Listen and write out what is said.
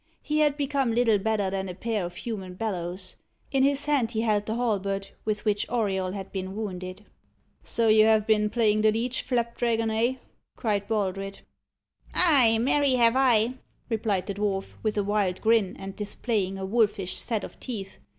He had become little better than a pair of human bellows. In his hand he held the halberd with which Auriol had been wounded. "So you have been playing the leech, Flapdragon, eh?" cried Baldred. "Ay, marry have I," replied the dwarf, with a wild grin, and displaying a wolfish set of teeth.